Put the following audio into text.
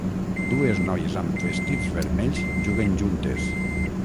Dues noies amb vestits vermells juguen juntes.